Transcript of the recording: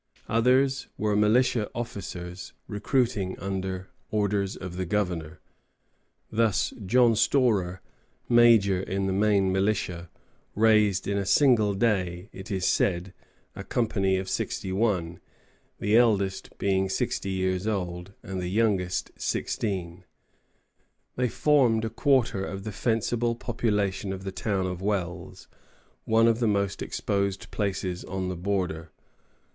Others were militia officers recruiting under orders of the Governor. Thus, John Storer, major in the Maine militia, raised in a single day, it is said, a company of sixty one, the eldest being sixty years old, and the youngest sixteen. [Footnote: Bourne, Hist, of Wells and Kennebunk, 371.] They formed about a quarter of the fencible population of the town of Wells, one of the most exposed places on the border.